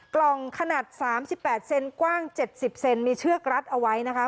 กล่องขนาด๓๘เซนกว้าง๗๐เซนมีเชือกรัดเอาไว้นะคะ